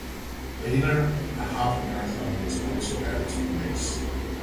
Later a half marathon was also added to the mix.